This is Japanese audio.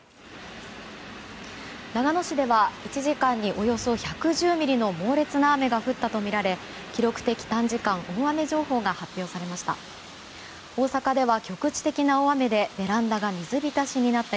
長野市では１時間におよそ１１０ミリの猛烈な雨が降ったとみられ記録的短時間大雨情報が発表されました。